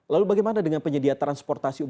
lalu bagaimana dengan penyediaan transportasi